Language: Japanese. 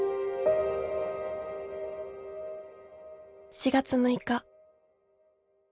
「４月６日。